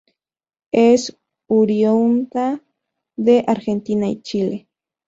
Es oriunda de Argentina y Chile.